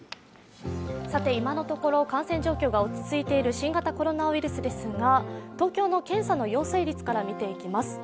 今のところ、感染状況が落ち着いている新型コロナウイルスですが、東京の検査の陽性率から見ていきます。